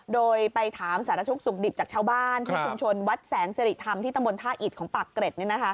โดยไปถามสารทุกข์สุขดิบจากชาวบ้านที่ชุมชนวัดแสงสิริธรรมที่ตำบลท่าอิดของปากเกร็ด